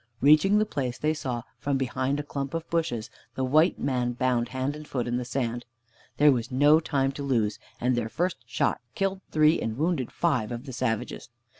Reaching the place, they saw, from behind a clump of bushes, the white man bound hand and foot on the sand. There was no time to lose, and their first shot killed three and wounded five of the savages.